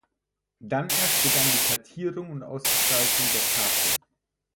Dann erst begann die Kartierung und Ausgestaltung der Karte.